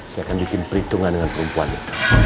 saya akan bikin perhitungan dengan perempuan itu